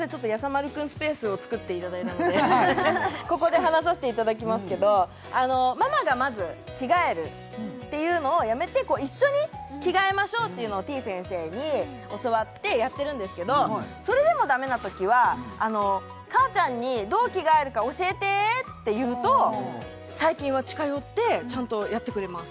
丸くんスペースを作っていただいたのでここで話させていただきますけどママがまず着替えるっていうのをやめて一緒に着替えましょうっていうのをてぃ先生に教わってやってるんですけどそれでもダメなときはかあちゃんにどう着替えるか教えてって言うと最近は近寄ってちゃんとやってくれます